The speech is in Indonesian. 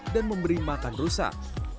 dan memberi makan rusak